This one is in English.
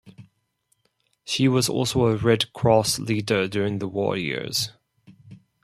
She was also a Red Cross leader during the war years.